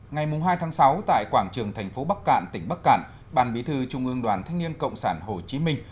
ngày hai tháng sáu tại quảng trường thành phố bắc cạn tỉnh bắc cạn ban bí thư trung ương đoàn thanh niên cộng sản hồ chí minh